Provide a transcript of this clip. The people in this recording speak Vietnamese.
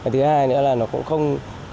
thứ hai nữa là nó cũng không